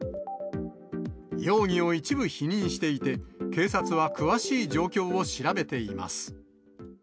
容疑を一部否認していて、警察は詳しい状況を調べています。